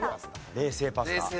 冷製パスタ。